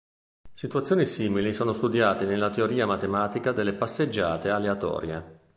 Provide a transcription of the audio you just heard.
Situazioni simili sono studiate nella teoria matematica delle passeggiate aleatorie.